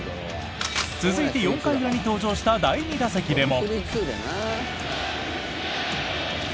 続いて４回裏に登場した第２打席でも。